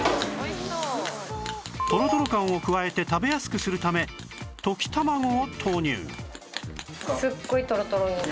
トロトロ感を加えて食べやすくするため溶き卵を投入